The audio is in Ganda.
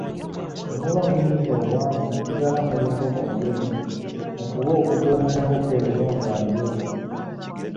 Bwe muba munnyuse Obwami, musigala muli nkoko njeru, mufube okukuuma enkoko eyo nga njeru.